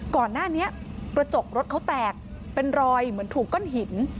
ก่อนหน้านี้กระจกรถเขาแตกเป็นรอยเหมือนถูกก้อนหิน